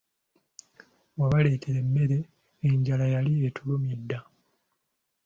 Webaleetera emmere, enjala yali yatulumye dda.